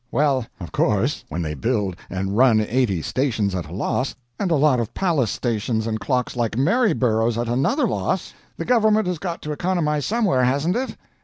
Well, of course, when they build and run eighty stations at a loss and a lot of palace stations and clocks like Maryborough's at another loss, the government has got to economize somewhere hasn't it?